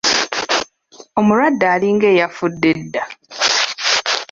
Omulwadde alinga eyafudde edda!